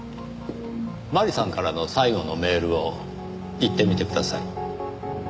麻里さんからの最後のメールを言ってみてください。